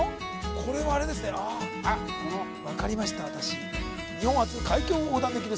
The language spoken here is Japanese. これはあれですねああ分かりました